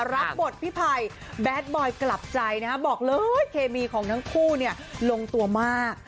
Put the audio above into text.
รับบทพี่ภัยแบทบอยกลับใจนะฮะบอกเลยเคมีของทั้งคู่เนี่ยลงตัวมาก